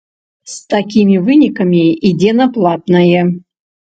З такімі вынікамі ідзе на платнае.